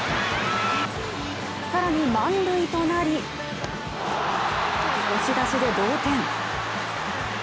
更に満塁となり押し出しで同点。